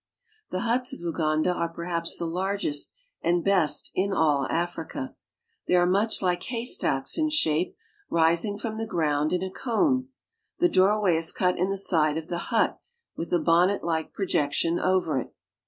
The huts of Uganda are perhaps the largest and best in all Africa. ■ They are much like hay I Stacks in shape, rising ^rom the ground in a ^<^ne. The doorway is fiut in the side of the ^ut, with a bonnetlike ""''"— projection over it.